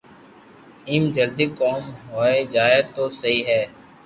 ايم جلدو ڪوم ھوئي جائين تو سھي ھي